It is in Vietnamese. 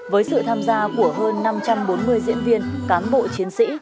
với sự tham gia của hơn năm trăm bốn mươi diễn viên cán bộ chiến sĩ